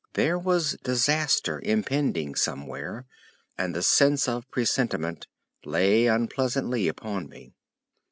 There was disaster impending somewhere, and the sense of presentiment lay unpleasantly upon me.